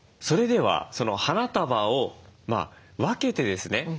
それでは花束を分けてですね